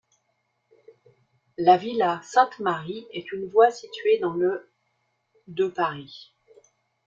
La villa Sainte-Marie est une voie située dans le de Paris.